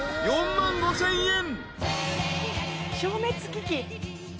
４万５，０００円］